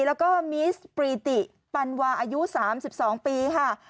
แล้วก็มีสปรีติปันวาอายุ๓๒ปีค่ะ